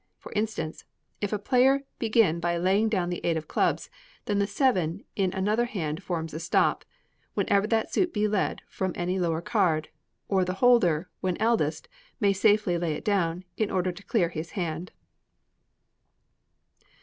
For instance, if a player begin by laying down the eight of clubs, then the seven in another hand forms a stop, whenever that suit be led from any lower card; or the holder, when eldest, may safely lay it down, in order to clear his hand.